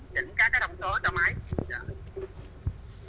các cái thông số